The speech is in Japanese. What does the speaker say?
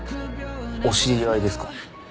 お知り合いですか？